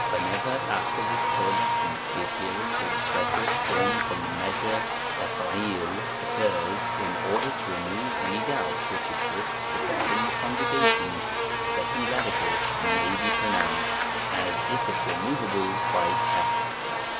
Wheaever after this coalescence the appearance of the preterite formed from the mea sure Juwu occurs, in order to remove any doubt which exists regarding the conjugation, the se cond radical may be pronounced, as if it were ^ v> tnoveable by Kusr.